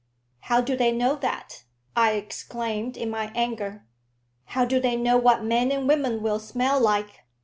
"How do they know that?" I exclaimed, in my anger. "How do they know what men and women will smell like?